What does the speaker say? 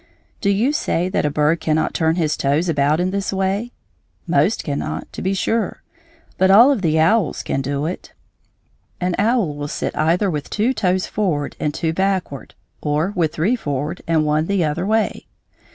Do you say that a bird cannot turn his toes about in this way? Most cannot, to be sure, but all of the owls can do it. An owl will sit either with two toes forward and two backward, or with three forward and one the other way.